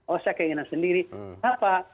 oh saya keinginan sendiri apa